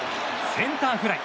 センターフライ。